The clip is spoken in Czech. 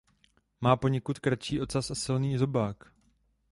Má poněkud kratší ocas a silný zobák.